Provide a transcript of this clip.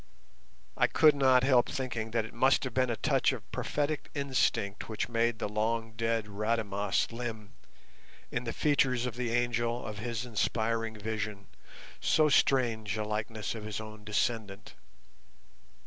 I could not help thinking that it must have been a touch of prophetic instinct which made the long dead Rademas limn, in the features of the angel of his inspiring vision, so strange a likeness of his own descendant.